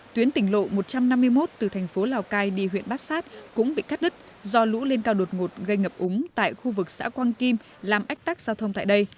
tuyến tỉnh lộ một trăm năm mươi một từ thành phố lào cai đi huyện bát sát cũng bị cắt đứt do lũ lên cao đột ngột gây ngập úng tại khu vực xã quang kim làm ách tắc giao thông tại đây